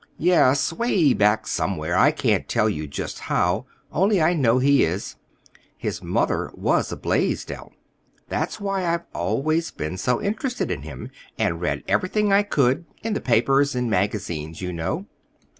"Yes, 'way back somewhere. I can't tell you just how, only I know he is. His mother was a Blaisdell. That's why I've always been so interested in him, and read everything I could—in the papers and magazines, you know."